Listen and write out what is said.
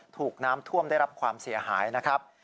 ถูกน้ำท่วมได้รับความเสียหายนะครับ